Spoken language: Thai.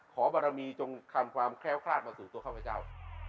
ขอบรมีจงความแคล้วคราชมาสู่ตัวข้าพเจ้า